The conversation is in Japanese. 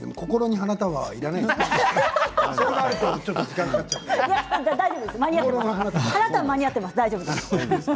花束は間に合っています。